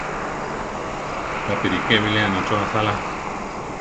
Jápi ríke biléana cho asála.